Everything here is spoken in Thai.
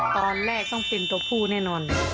ตอนแรกต้องเป็นตัวผู้แน่นอน